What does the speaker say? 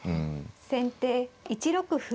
先手１六歩。